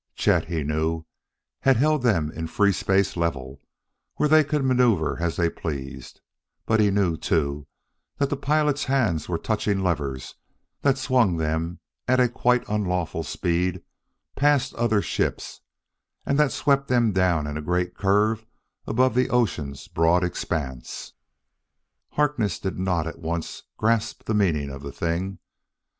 Chet, he knew, had held them in a free space level, where they could maneuver as they pleased, but he knew, too, that the pilot's hands were touching levers that swung them at a quite unlawful speed past other ships, and that swept them down in a great curve above the ocean's broad expanse. Harkness did not at once grasp the meaning of the thing.